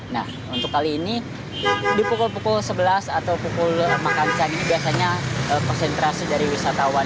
nah untuk kali ini di pukul pukul sebelas atau pukul makan siang ini biasanya konsentrasi dari wisatawan